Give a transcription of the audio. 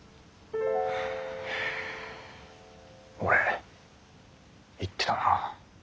俺言ってたな。